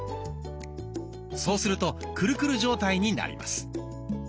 そうするとクルクル状態になります。